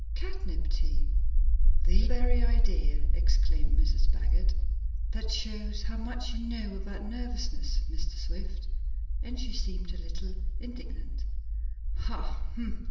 "Catnip tea! The very idea!" exclaimed Mrs. Baggert. "That shows how much you know about nervousness, Mr. Swift," and she seemed a little indignant. "Ha!